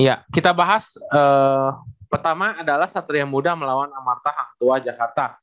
iya kita bahas pertama adalah satria muda melawan amarta hangtua jakarta